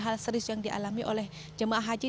hal serius yang dialami oleh jemaah haji